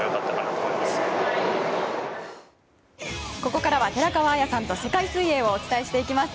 ここからは寺川綾さんと世界水泳をお伝えしていきます。